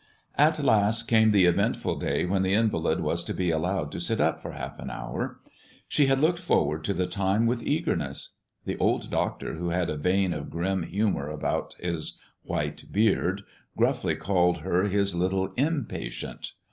At last came the eventful day when the invalid was to be allowed to sit up for half an hour. She had looked forward to the time with eagerness. The old doctor, who had a vein of grim humor under his white beard, gruffly called her his little im patient.